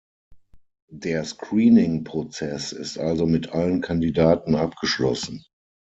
Der screening-Prozess ist also mit allen Kandidaten abgeschlossen.